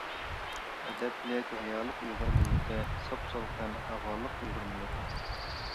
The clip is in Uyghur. ئەدەپلىك، ھايالىق ئۇيغۇر مىللىتى، ساپ-سالقىن ھاۋالىق ئۇيغۇر مىللىتى.